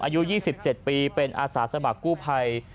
อายุ๒๗ปีเป็นอาสาสมัครกู้ภัย